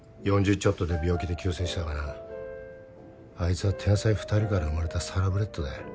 ちょっとで病気で急逝したがなあいつは天才２人から生まれたサラブレッドだよ